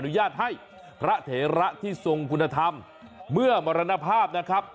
ญาตให้พระเถระที่ทรงคุณธรรมเมื่อมรณภาพนะครับ